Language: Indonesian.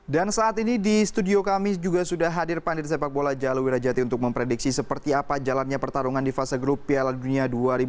dan saat ini di studio kami juga sudah hadir pandir sepak bola jalul wira jati untuk memprediksi seperti apa jalannya pertarungan di fase grup piala dunia dua ribu delapan belas